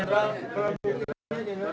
jenderal dianggap para buktinya jenderal